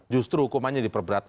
justru hukumannya diperberat